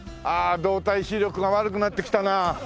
動体視力が悪くなってきたなあ。